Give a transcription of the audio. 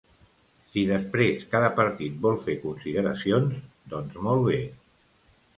Si després cada partit vol fer consideracions, doncs molt bé.